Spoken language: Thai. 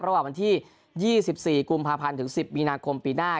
ระหว่างวันที่๒๔กุมภาพันธ์ถึง๑๐มีนาคมปีหน้า